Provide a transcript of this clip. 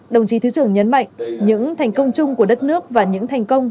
đồng chí thứ trưởng nhấn mạnh những thành công chung của đất nước và những thành công